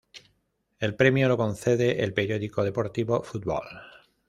El premio lo concede el periódico deportivo, "Football".